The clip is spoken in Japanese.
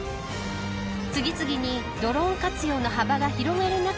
次々にドローン活用の幅が広がる中